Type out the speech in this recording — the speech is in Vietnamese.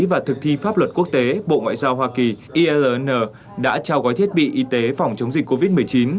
và thực thi pháp luật quốc tế bộ ngoại giao hoa kỳ irn đã trao gói thiết bị y tế phòng chống dịch covid một mươi chín